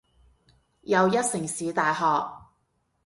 又一城市大學